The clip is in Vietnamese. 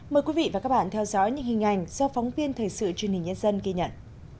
mời quý vị và các bạn theo dõi những hình ảnh do phóng viên thời sự truyền hình nhân dân ghi nhận